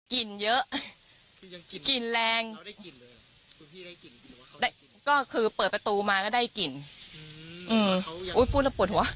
กลิ่นเยอะกลิ่นแรงก็คือเปิดประตูมาก็ได้กลิ่นก็คือพูดเอ้อผ่วยหัว